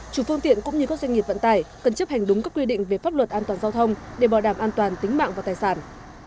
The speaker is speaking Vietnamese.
chủ phương tiện cũng như các doanh nghiệp vận tải cần chấp hành đúng các quy định về pháp luật an toàn giao thông để bảo đảm an toàn tính mạng và tài sản